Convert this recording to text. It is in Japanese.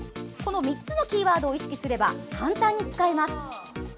３つのキーワードを意識すれば簡単に使えます。